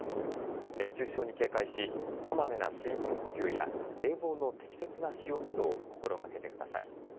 熱中症に警戒しこまめな水分補給や冷房の適切な使用などを心がけてください。